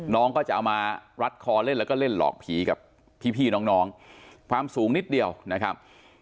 น้องก็จะเอามารัดคอเล่นแล้วก็เล่นหลอกผีกับพี่น้องความสูงนิดเดียวนะครับ